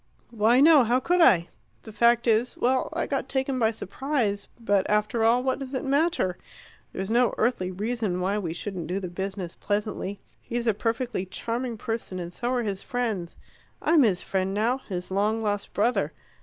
"Why, no; how could I? The fact is well, I got taken by surprise, but after all, what does it matter? There's no earthly reason why we shouldn't do the business pleasantly. He's a perfectly charming person, and so are his friends. I'm his friend now his long lost brother.